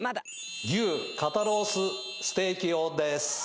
牛肩ロースステーキ用です。